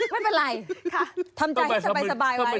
ไม่เป็นไรทำใจให้สบายไว้